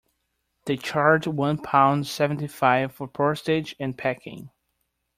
They charged one pound seventy-five for postage and packing